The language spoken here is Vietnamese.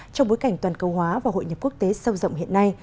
trong bối cảnh toàn cầu hóa và hội nhập quốc tế sâu rộng hiện nay